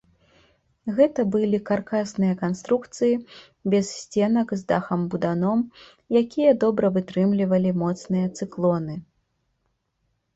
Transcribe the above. Гэта былі каркасныя канструкцыі без сценак з дахам-буданом, якія добра вытрымлівалі моцныя цыклоны.